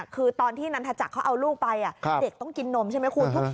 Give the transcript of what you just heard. คือตอนที่นันทจักรเขาเอาลูกไปเด็กต้องกินนมใช่ไหมคุณ